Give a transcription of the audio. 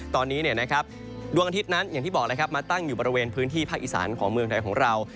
ตอนนี้ดวงอาทิตย์นั้นอย่างที่บอกเลยครับมาตั้งอยู่บริเวณพื้นที่ภาคอีสานของเมืองไทยของเรา